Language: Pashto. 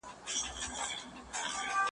د خاورين بنده د كړو گناهونو ,